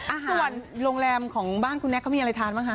อาหารโรงแรมของบ้านคุณแน็กเขามีอะไรทานไหมคะ